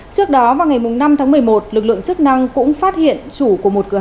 trước đó vào ngày năm tháng một mươi một lực lượng chức năng cũng phát hiện chủ của một cửa hàng